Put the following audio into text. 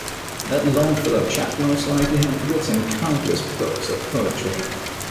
That Longfellow chap most likely had written countless books of poetry.